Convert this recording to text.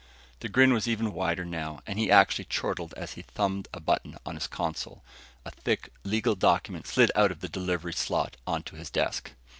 The grin was even wider now and he actually chortled as he thumbed a button on his console. A thick legal document slid out of the delivery slot onto his desk.